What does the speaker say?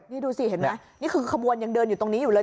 นี่ดูสิเห็นไหมนี่คือขบวนยังเดินอยู่ตรงนี้อยู่เลย